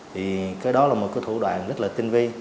thì cái đó là một cái thủ đoạn rất là tinh vi